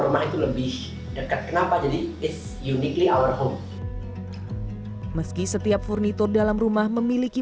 rumah itu lebih dekat kenapa jadi is unically our home meski setiap furnitur dalam rumah memiliki